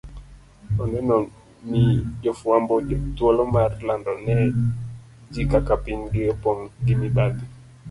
onego mi jofwambo thuolo mar lando ne ji kaka pinygi opong ' gi mibadhi.